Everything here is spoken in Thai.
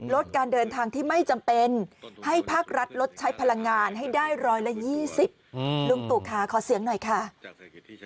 ลดการเดินทางที่ไม่จำเป็นให้ภาครัฐลดใช้พลังงานให้ได้๑๒๐บาท